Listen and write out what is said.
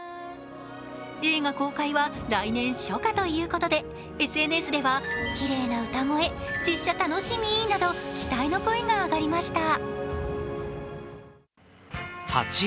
映画公開は来年初夏ということでＳＮＳでは、きれいな歌声、実写楽しみなど期待の声が上がりました。